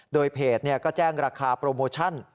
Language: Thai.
โดยเพจก็แจ้งราคาโปรโมชั่น